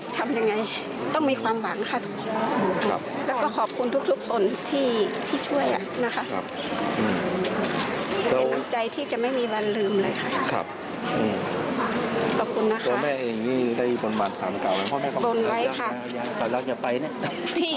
ถ้าไม่มีความหวังก็ก็ไม่รู้ไม่ทราบว่าจะจะทำยังไง